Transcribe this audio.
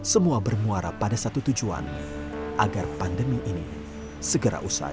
semua bermuara pada satu tujuan agar pandemi ini segera usai